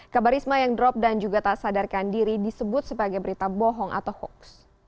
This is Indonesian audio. kabar risma yang drop dan juga tak sadarkan diri disebut sebagai berita bohong atau hoax